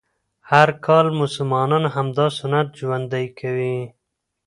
هر کال مسلمانان همدا سنت ژوندی کوي